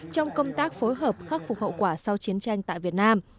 trong công tác phối hợp khắc phục hậu quả sau chiến tranh tại việt nam